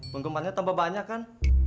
penggemarnya tambah banyak kan